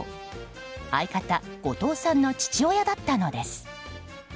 相方後藤さんの父親だったのです。